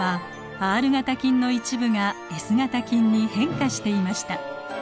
Ｒ型菌の一部がＳ型菌に変化していました。